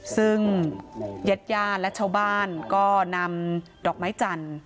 ซึ่งญาติญาติและชาวบ้านก็นำดอกไม้จันทร์